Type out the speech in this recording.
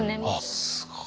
すごい。